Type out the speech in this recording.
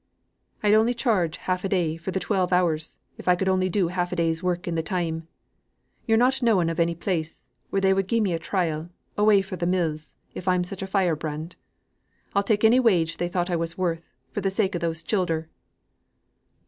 "I'd only charge half a day for th' twelve hours, if I could only do half a day's work in th' time. Yo're not knowing of any place, where they could gi' me a trial, away fro' the mills, if I'm such a firebrand? I'd take any wage they thought I was worth, for the sake of those childer."